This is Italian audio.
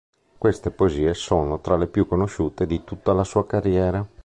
Queste poesie sono tra le più conosciute di tutta la sua carriera.